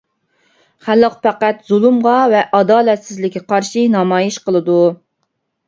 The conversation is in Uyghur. خەلق پەقەت زۇلۇمغا ۋە ئادالەتسىزلىككە قارشى نامايىش قىلىدۇ.